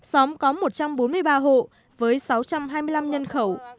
xóm có một trăm bốn mươi ba hộ với sáu trăm hai mươi năm nhân khẩu